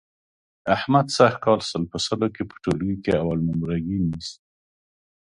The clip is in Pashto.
احمد سږ کال سل په سلو کې په ټولګي کې اول نمرګي نیسي.